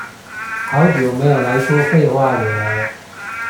好久沒有來說廢話惹